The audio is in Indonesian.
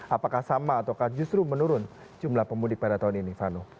apakah sama ataukah justru menurun jumlah pemudik pada tahun ini vano